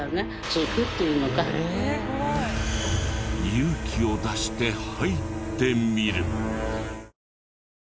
勇気を出して入ってみる。